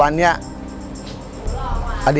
กิเลนพยองครับ